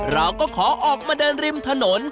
เราก็ขอออกมาเดินริมถนน